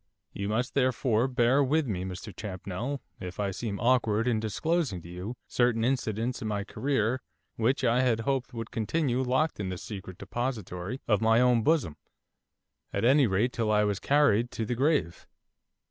You must, therefore, bear with me, Mr Champnell, if I seem awkward in disclosing to you certain incidents in my career which I had hoped would continue locked in the secret depository of my own bosom, at any rate till I was carried to the grave.